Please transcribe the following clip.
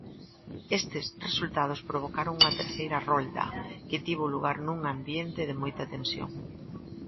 Estes resultados provocaron unha terceira rolda, que tivo lugar nun ambiente de moita tensión.